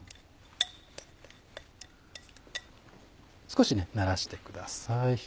少しならしてください。